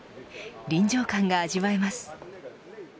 臨場感が味わえます。